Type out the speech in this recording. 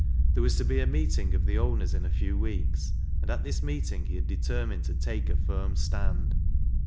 There was to be a meeting of the owners in a few weeks, and at this meeting he had determined Ui take a firm stand.